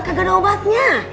kagak ada obatnya